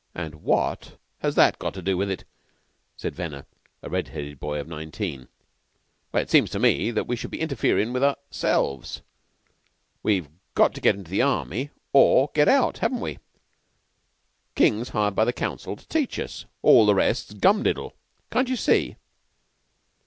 "What's that got to do with it?" said Venner, a red headed boy of nineteen. "Well, seems to me that we should be interferin' with ourselves. We've got to get into the Army or get out, haven't we? King's hired by the Council to teach us. All the rest's gumdiddle. Can't you see?"